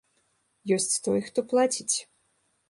Ёсць той, хто плаціць.